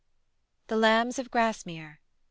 THE LAMBS OF GRASMERE, 1860.